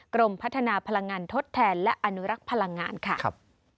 กรมพัฒนาพลังงานทดแทนและอนุรักษ์พลังงานค่ะ